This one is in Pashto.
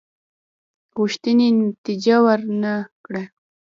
غوښتنې نتیجه ورنه کړه.